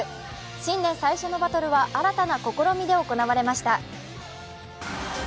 新年最初のバトルは新たな試みで行われました。